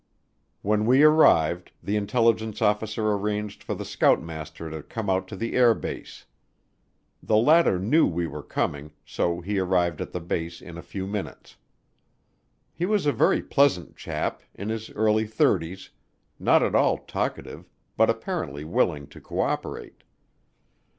When we arrived, the intelligence officer arranged for the scoutmaster to come out to the air base. The latter knew we were coming, so he arrived at the base in a few minutes. He was a very pleasant chap, in his early thirties, not at all talkative but apparently willing to co operate.